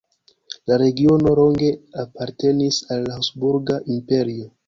La regiono longe apartenis al Habsburga Imperio.